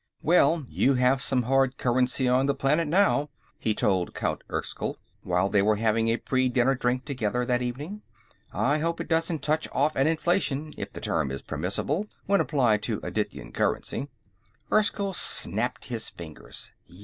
"Well, you have some hard currency on the planet, now," he told Count Erskyll, while they were having a pre dinner drink together that evening. "I hope it doesn't touch off an inflation, if the term is permissible when applied to Adityan currency." Erskyll snapped his fingers.